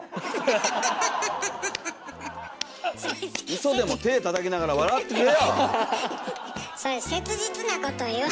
ウソでも手たたきながら笑ってくれよ！